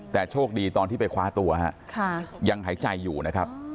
แต่โชคดีตอนที่ไปคว้าตัวฮะยังหายใจอยู่นะครับ